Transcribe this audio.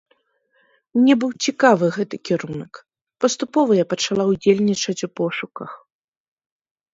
Мне быў цікавы гэты кірунак, паступова я пачала ўдзельнічаць у пошуках.